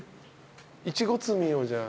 イチゴ摘みをじゃあ。